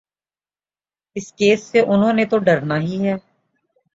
اس case سے انہوں نے تو ڈرنا ہی ہے۔